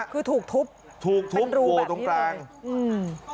คือถูกทุบถูกทุบเป็นรูแบบนี้เลยโหตรงกลางอืม